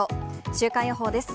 週間予報です。